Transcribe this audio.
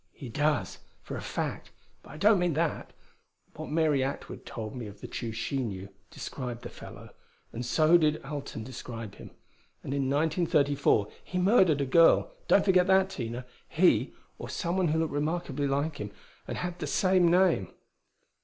"He does, for a fact; but I don't mean that. What Mary Atwood told me of the Tugh she knew, described the fellow. And so did Alten describe him. And in 1934 he murdered a girl: don't forget that, Tina he, or someone who looked remarkably like him, and had the same name."